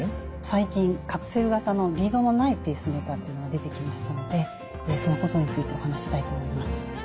最近カプセル型のリードのないペースメーカーというのが出てきましたのでそのことについてお話ししたいと思います。